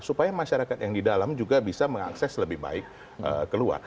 supaya masyarakat yang di dalam juga bisa mengakses lebih baik keluar